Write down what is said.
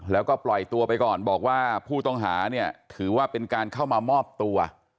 แล้วก็ปล่อยตัวไปก่อนบอกว่าผู้ต้องหาเนี่ยถือว่าเป็นการเข้ามามอบตัว